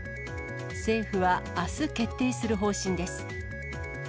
政府はあす、決定する方針です。